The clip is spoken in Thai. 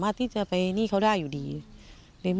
ไม่อยากให้มองแบบนั้นจบดราม่าสักทีได้ไหม